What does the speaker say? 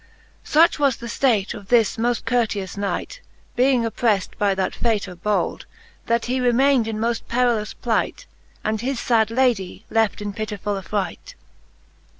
Such was the ftate of this moft courteous knight. Being opprefled by that fay tour bold, That he remayned in moft perilous plight. And his fad Ladie left in pitifuU affright.